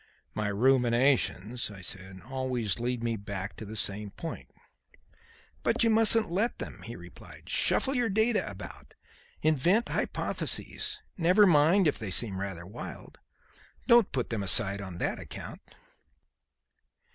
"My ruminations," I said, "always lead me back to the same point." "But you mustn't let them," he replied. "Shuffle your data about. Invent hypotheses. Never mind if they seem rather wild. Don't put them aside on that account.